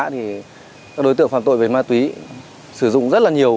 thì các đối tượng phạm tội về ma túy sử dụng rất là nhiều